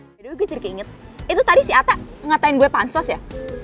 dari dulu gue jadi keinget itu tadi si ata ngatain gue pansos ya